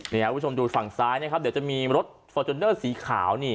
นี่ครับคุณผู้ชมดูฝั่งซ้ายนะครับเดี๋ยวจะมีรถฟอร์จูเนอร์สีขาวนี่